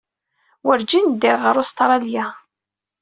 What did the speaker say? Werǧin ddiɣ ɣer Ustṛalya.